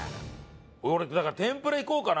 俺だから天ぷらいこうかな。